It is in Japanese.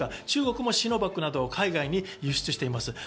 中国もシノバックなどを海外に輸出しています。